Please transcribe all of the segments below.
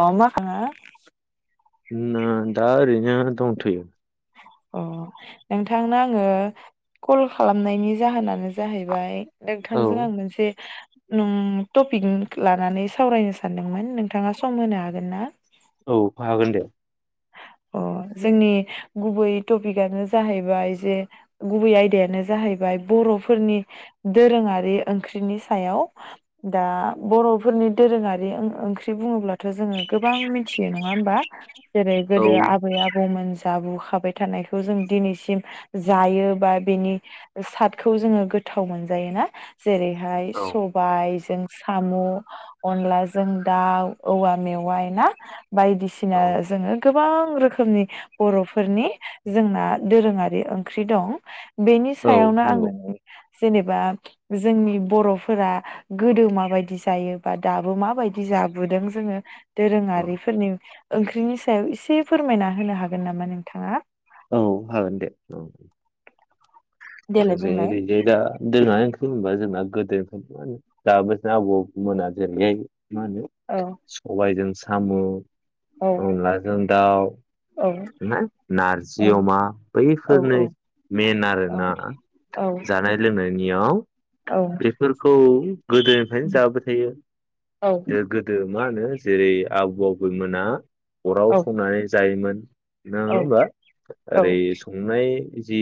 अ माखा ना दा रैनो दंथ'यो अ नोंथांनो आङो कल खालामनायनि जाहोनानो जाहैबाय औ नोंथांजों आं मोनसे ओं टपिक लानानै सावरायनो सानदोंमोन नोंथाङा सम होनो हागोन ना औ हागोन दे अ जोंनि गुबै टपिकआनो जाहैबाय जे गुबै आयदायानो जाहैबाय बर'फोरनि दोरोङारि ओंख्रिनि सायाव दा बर'फोरनि दोरोङारि ओंख्रि बुङोब्लाथ' जोङो गोबां मिथियो नङा होमबा औ गोदो आबै आबौमोनजों जाबु खाबाय थानायखौ जों दिनैसिम जायो बा बेनि सादखौ जोङो गोथाव मोनजायो ना जेरैहाय औ सबायजों साम' अनलाजों दाउ औवा मेवाइ ना बायदिसिना औ जोङो गोबां रोखोमनि बर'फोरनि जोंना दोरोङारि ओंख्रि दं बेनि औ सायावनो आं नंगौ जेनेबा जोंनि बर'फोरा गोदो माबायदि जायो बा दाबो माबायदि जाबोदों जोङो औ दोरोङारिफोरनि ओंख्रिनि सो सायाव एसे फोरमायना होनो हागोन नामा नोंथाङा? औ हागोन दे औ। [unintelligible] देलाय बुंलाय। होनबा जोंना गोदो दा मा होनो दाबो आबौमोना [unintelligible] मा होनो औ सबायजों सा सामु' औ अनलाजों दाउ औ ना नारजि औ अमा औ बैफोरनो औ मेन औ आरोना। जानाय लोंनायनियाव औ बेफोरखौ गोदोनिफ्रायनो जाबोबाय थायो दो गोदो मा होनो जेरै आबौ आबैमोना अराव औ संनानै जायोमोन। नङा होमबा ओरै संनाय जि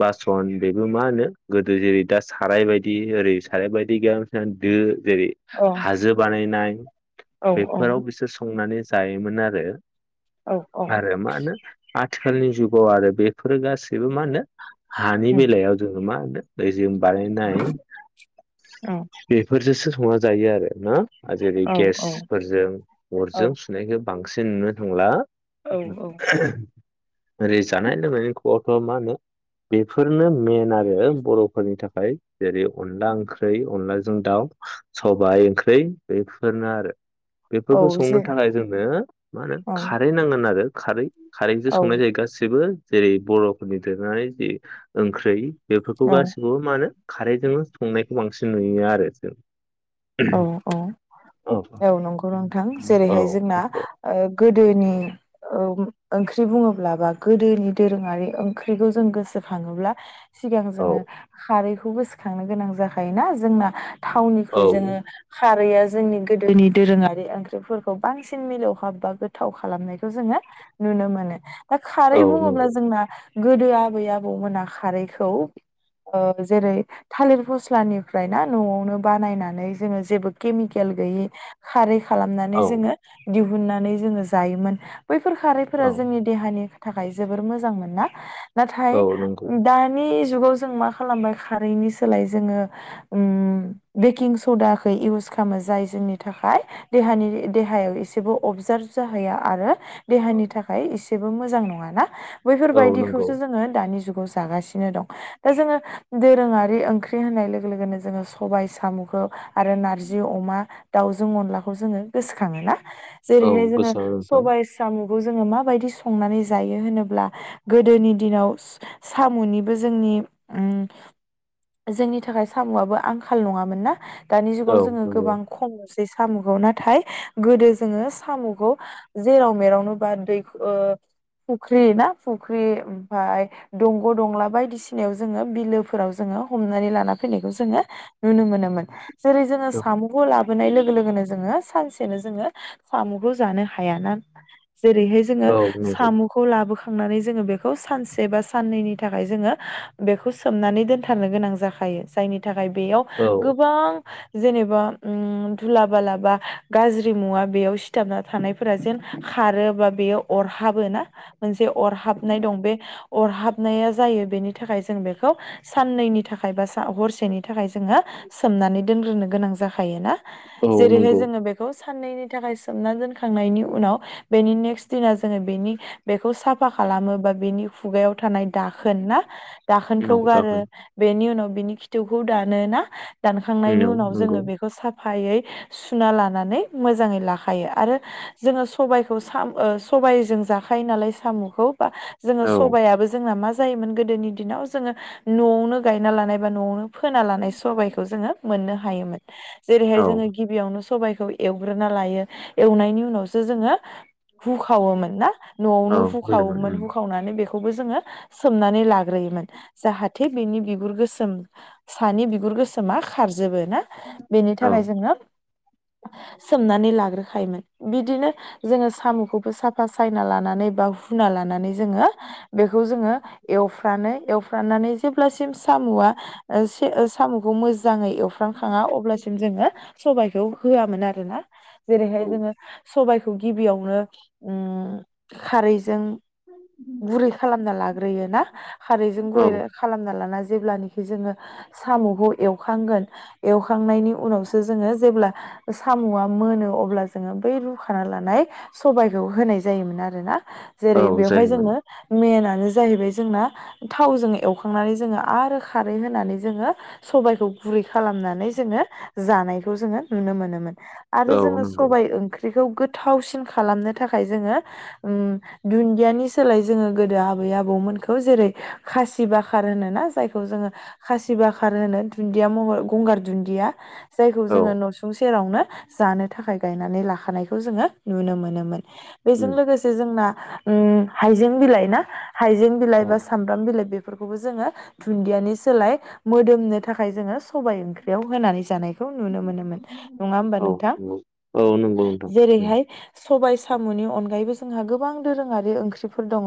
बासन बेबो मा होनो गोदो जेरै दा साराय बायदि ओरै साराय बायदि गैया मोनसे दो जेरै हाजो बानायनाय औ बेफोराव उम बिसोर संनानै जायोमोन आरो। औ औ औ आरो मानो आथ आथिखालनि जुगाव आरो बेफोरो गासैबो मा होनो हानि बेलायाव जोङो मा दैजों बानायनाय बेफोरजोसो हंना जायो आरो। न आ जेरै गेसफोरजों अरजों सुनायखौ बांसिन नुनो थांला। औ औ [inaudible] ओरै जानाय लोंनायनि खबरफोरा मा होनो बेफोरनो मेन आरो बर'फोरनि थाखाय जेरै अनला ओंख्रै अनलाजों दाउ सबाय ओंख्रै बेफोरनो आरो। बेफोरखौ औ जे संनो थाखाय जोंनो मा होनो औ खारै नांगोन आरो। खारै खारैजों औ संनाय जायो गासिबो जेरै बर'फोरनि दोरोङारि जि ओंख्रै बेफोरखौ औ गासिखौबो मानो खारैजोंनो संनायखौ बांसिन नुयो आरो जों। औ औ औ नंगौ नोंथां औ जेरैहाय जोंना ओ गोदोनि औ ओंख्रि बुङोब्ला बा गोदोनि दोरोङारि ओंख्रिखौ जों गोसोखाङोब्ला सिगां औ जोङो खारै खौ गोसोखांनो गोनां जाखायोना जोंना थाव औ जोङो खारैआ जोंनि गोदोनि दोरोङारि ओंख्रिफोरखौ बांसिन मिलौहाब बा गोथाव खालामनायखौ जोङो नुनो मोनो। दा औ खारै बुङोब्ला नंगौ जोंना गोदो आबै आबौमोना खारैखौ ओ जेरै थालिर फस्लानिफ्राय ना न'आवनो बानायनानै नै जोङो जेबो केमिकेल गैयि खारै खालामनानै औ जोङो दिउ उननानै जोङो जायोमोन। बैफोर खारैफोरा औ जोंनि देहानि थाखाय जोबोर मोजां मोनना। नाथाय औ नंगौ उ दानि जुगाव जों खालामबाय खारैनि सोलाय जोङो उम बिकिं स सडाखौै इउस खामो जाय जोंनि थाखाय देहानि देहायाव एसेबो अबजार्भ जाहैया आरो देहानि थाखाय एसे सेबो जेबो मोजां नङा ना बैफोर औ नंगौ बायदिखौसो जोङो दानि जुग जुगाव जागासिनो दं दा जोङो दोरोङारि ओंख्रि होननाय लोगो लोगोनो जोङो सबाय सामु'खौ आरो नारजि अमा दाउजों अनलाखौ जोङो गोसोखाङो ना? औ जेरैहाय जोङो गोसोआव नोंथां सबाइ सामु' खौ जोङो माबायदि संनानै जायो होनोब्ला गोदोनि दिनाव सामु'निबो जोंनि उम जोंनि थाखाय सामु'आबो आंखाल नङामोन ना? दानि औ जुगाव जोङो नंगौ गोबां कम नुसै। बे सामु'खौ नाथाय गोदो जोङो सामु'खौ जेराव मेरावनो बा दैख ओ फुख्रि ना फुख्रि ओमफाय दंग' दंला बायदिसिनायाव जोङो बिलोफोराव जोङो हमनानै लाना फैनायखौ जोङो नुनो मोनोमोन। जेरै जोङो सामु'खौ लाबोनाय लोगो लोगोनो जोङो सानसे सेनो जोङो सामु'खौ जानो हायाना। जेरैहाय जोङो औ नंगौ सामु'खौ लाबोखां थांनानै जोङो बेखौ सानसे बा साननैनि थाखाय जोङो बेखौ सोमनानै दोनथारनो गोनां जाखायो जायनि थाख थाखाय बेयाव औ गोबां जेनेबा ओम धुला बाला बा गाज्रि मुवा बेयाव सिथाबना थानायफोरा जेन खारो बा बेयो अरहाबो ना मोनसे अरहाबनाय दं बे अरहाब [unintelligible] नाया जायो बेनि थाखाय जों बेखौ साननैनि थाख खायबा सा हरसेनि थाखाय जोङो सोमनानै दोनग्रोनो गोनां जाखायोना औ जेरैहाय नंगौ जोङो बेखौ सा साननैनि थाखाय सोमना दोनखांनायनि उनाव बेनि नेक्स दिना जोङो बेनि खौ साफा खालामो बा बेनि खुगायाव थानाय दाखोन ना दाखोनखौ नंगौ गारो दाखोन बेनि उनाव बिनि खिथौखौ दानो ना दान खांनायनि नोंनाव उनाव नंगौ जोङो बेखौ साफ फायै सुना लानानै मोजाङै लाखायो आरो जोङो सबायखौ सा ओ सबायजों जाखायो नालाय साम'खौ बा जोङो औ सबायाबो जोंना मा जायोमोन गोदोनि दिनाव जोङो न'आवनो गायना लानाय बा न'आवनो फोना लानाय सबायखौ जोङो मोननो हायोमोन जेरैहाय औ जोङो गिबियावनो सबाय खौ एवग्रोना लायो एवनायनि उनावसो जोङो हुखावोमोन ना औ न'आवनो फैदोंमोन हुखावोमोन उम हुखावनानै बेख खौबो जोङो सोमनानै लाग्रोयोमोन जाहाथे बिनि बिगुर गोसोम सानि बिगुर गोसोमा खारजोबो। ना बेनि औ थाखाय जोङो सोमनानै लाग्रोखायोमोन बिदिनो जोङो साम'खौबो साफा सायना लानानै बा हुना लानानै जोङो बिखौ जोङो एवफ्रानै एवफ्रानानै जेब्लासिम साम'आ ओ सेओ सामुखौ मोज जाङै एवफ्रामखाङा अब्लासिम जोङो सबायखौ होआमोन आरोना जेरैहाय औ जोंङो सबाइखौ गिबियावनो उम खारैजों गुरै खालामना लाग्रोयो ना खारैजों गुरै औ खालामना लाना जेब्लानिखि जोङो साम'खौ एव एवखांगोन एवखांनायनि उनावसो जोङो जेब्ला साम'आ मोनो अब्ला जोङो बै रुखा लानाय सबायखौ होनाय जायोमोन आरो ना। औ जेरै बेवहाय जायोमोन जोङो मेना बेनो जाहैबाय जोंना थावजों एवखांनानै जोङो आरो खारै होनानै जोङो सबायखौ गुरै खालामनानै जोङो जानायखौ जोङो नुनो मोनोमोन। आरो औ जोङो नंगौ सबाय ओंख्रिखौ गोथावसिन खालामनो थाखाय जोङो उम दुन्दियानि सोलाय जोङो गोदो आबै आबौमोनखौ जेरै खासि बाखार होनोना जायखौ जोङो खासि बाखार होनो दुन्दिया महर गंगार दुन्दिया जायखौ औ जोङो न'सुंस सेरावनो जानो थाखाय गायनानै लाखानायखौ जोंङो नुनो मोनोमोन। बेजों उम लोगोसे जोंना उम हाइजें बिलाइ ना? हाइजें बिलाइ औ बा सामब्राम बिलाइ बे फोरखौबौ जोंङो दुनदियानि सोलाय मोदोमनो थाखाय जोंङो सबबाय ओंख्रियाव होनानै जानाय खौ नुनो मोनो मोन, नंङा होमबा औ नोंथांङ नंगौ औ नंगौ नोंथां जेरै उम हाय सबाय साम'नि अनगायैबो जोंहा गोबां दोरोंङारि ओंख्रिफोर दंङ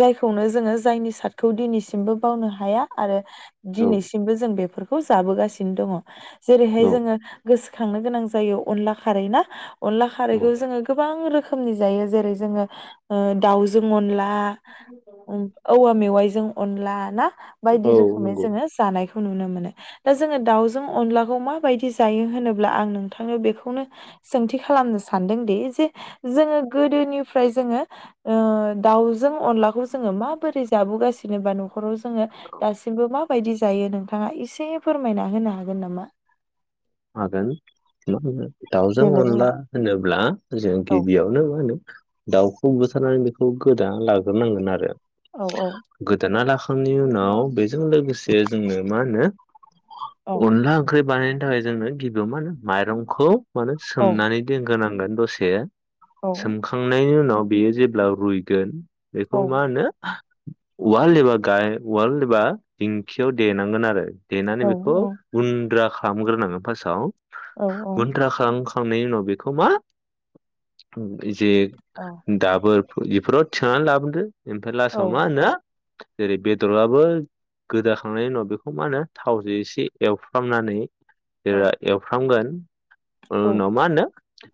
जायखौनो जोंङो जायनि सार्टखौ दिनैसिमबो बावनो हाया आरो औ दिनै सिमबो जों बे फोरफोरखौ जाबोगासिनो दंङ, जेरैहाय जोंङो गोसो थांनो गोनां जायो अनला खारै ना अनला औ खारैखौ जोंङो गोबां रोख खोमनि जायो जेरै जोंङो ओ दाव जों अनला आ उम औवा मेवायजों अनला ना? बायदि औ औ रोखोमै नंगौ जोंङो जानाय खौ नुनो मोनो। दा जोंङो दाउजों अनलाखौ माबायदि जायो होनोब्ला आं नोंथांनोव बेखौनो सोंथि खालामनो सानदों यि जे जोंङो गोदोनिफ्राय जोंङो ओ दाव जों अनलाखौ जोंङो माबोरै जाबोगासि जेनेबा नखराव जोंङो दासिमबो मा बायदि जायो नोंथांङा एसे एसे फोरमायना होनो हागोन नामा? हागोन [unintelligible] दाव जों देलाय अनला बुंलाय होनोब्ला जों औ गिबियावनो मा होनो दाव खौ बुथारनानै बेखौ गोदाना लाग्रोनांगोन आरो औ औ गोदोना ला खोन्नि उनाव बेजों लोगोसे जोंङो मा होनो अनला ओंख्रि बानायनो थाखाय जोंनो गिबियाव मा होनो माइरं खौ मानो औ सोमनानै दोनगोन आं होनगोन दसे। औ सोमखांनायनि उनाव बेयो जेब्ला रुइगोन बेखौ मा होनो उवाल एबा गा उवाल एबा दिंखियाव देनांगोन आरो। देनानै औ बेखौ गुन्द्रा खा फाहाम ग्रोनांगोन। फोसाव औ गुन्द्रा खाम खांनायनि उनाव बेखौ मा जे औ दाबोर इफोराव थिनानै लाबोदो। ओमफ्राय लासाव मा होनो जेरै बेदरआबो गोदाखांनायनि उनाव बेखौ मा होनो थावजों एसे एवफ्रामनानै जेला एवफ्रामगोन उनाव मा होनो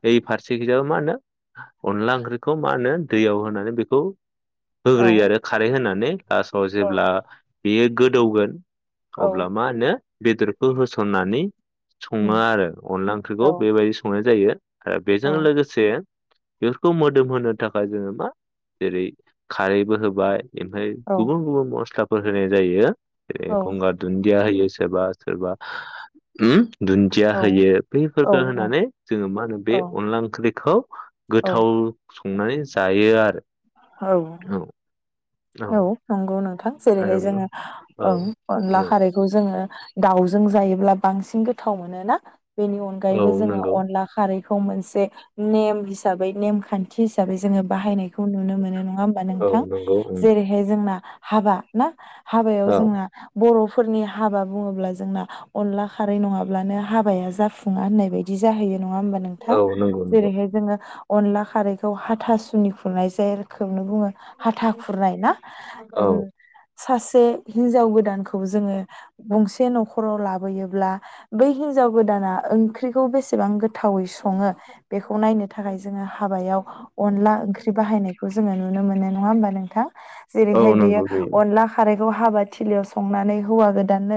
बै फारसे गोजाबा मा होनो अनला ओंख्रिखौ मा होनो दैयाव होनानै बेखौ औ होग्रोयो आरो खारै होनानै लासाव औ जेब्ला बेयो गोदौगोन औ अब्ला मा होनो बेदरखौ होसननानै सङो उम आरो अनला औ ओंख्रिखौ बेबायदि संनाय जायो। आरो बेजों औ लोगोसे बेफोरखौ मोदोम होनो थाखाय जोङो मा जेरै खारैबो होबाय इमफाय औ गुबुन गुबुन मसलाफ फोर होनाय जायो। ए औ गंगा दुनदिया होयो। सोरबा सोरबा उम दुन्दिया औ होयो औ बैफोरखो होनानै जोङो मा होनो बे औ अनला ओंख्रि खौ औ गोथाव अंनानै जायो आरो। औ औ नंगौ नोंथां। जेरै हाय आरो मा जोंङो औ ओं अनला औ खारैखौ जों ङो दाव जों जायोब्ला बांसिन गोथाव मोनोना? बेनि औ अनगायैबो जोंङो नंगौ अनला खारै खौ मोनसे नेम हिसाबै नेम खान थि हिसाबै जोंङो बाहायनायखौ नुनो मोनो नंङा होमबा औ नोंथां? नंगौ उम जेरैहाय जोंना हाबा ना? हाबायाव औ जोंना बर' फोरनि हाबा बुंङोब्ला जोंना अनला खारै नंङाब्लानो हाबाया जाफुंङा होननाय बायदि जाहैयो नंङा होमबा नोंथां? औ नंगौ नंगौ जेरै हाय जोंङो अनला खारैखौ हाथासुनि खुरनाय जाय रोखोम नो बुंङो हाथा खुरनाय ना औ उम सासे हिनजाव गोदानखौ जोंङो गंसे नखराव लाबोयोब्ला बै हिनजाव गोदाना ओंख्रिखौ बेसेबां गो गोथावै संङो बेखौ नायनो थाखाय जोंङो हाबायाव अनला ओंख्रि बाहायनायखौ जोंङो नुनो मोनो नो नंङा होमबा नों जेरै औ हाय बेयो नंगौ नुयो अनला खारै खौ हाबा थिलियाव संनानै हौवा गोदाननो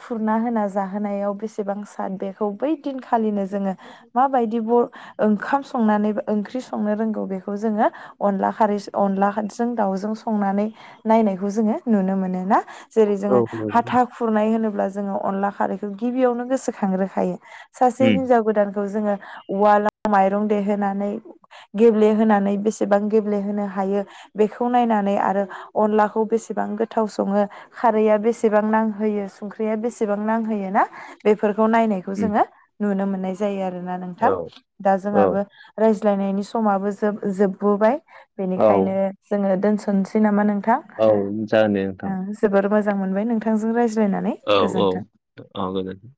खुरना होना जाहोनायाव बेसेबां साद बे खौ बै दिनखालिनो जोंङो माबायदि ब ओंखाम संनानै ओंख्रि संनो रों खौ बे खौ जोंओ अनला खारैसो अनला दावजों संना नानै नायखौ जोंङो नुनो मोनो ना? जेरै औ जोंङो नंगौ हाथा खुरनाय होनोबा अब्ला जोंङो अनला खारैखौ गिबियावनो गोसोखांग्रो खायो सासे उम हिनजाव गोदान खौ जोङो उवाल माइरं देहोनानै गेब्लेहोनानै बेसेबां गेब्लेहोनो हायो बेखौ नायनानै आरो अनलाखौ बेसेबां गोथाव सङो खारैया बेसेबां नांहोयो संख्रिया बेसेबां नांहोयो ना बेफोर खौ नायनायखौ उम जोङो नुनो मोनो नाय जायो आ आरोना नोंथां औ दा औ जोंहाबो रायज लायनायनि समाबो जोब जोबबोबाय औ बेनिखायनो ओ दोनसनोसै नामा नों औ जागोन दे नोंथां मोजां मोनबाय नोंथांजों राय औ औ औ गोजोनथों